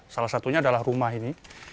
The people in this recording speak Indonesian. salah satunya adalah rumah ini